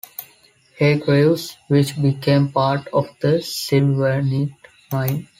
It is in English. Hargreaves, which became part of the Sylvanite Mine.